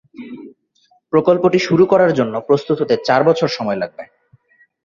প্রকল্পটি শুরু করার জন্য প্রস্তুত হতে চার বছর সময় লাগবে।